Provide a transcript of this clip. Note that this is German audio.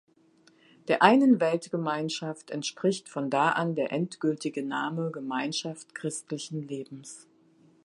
Der einen Weltgemeinschaft entspricht von da an der endgültige Name „Gemeinschaft Christlichen Lebens“.